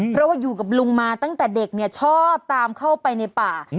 เพราะว่าอยู่กับลุงมาตั้งแต่เด็กเนี่ยชอบตามเข้าไปในป่า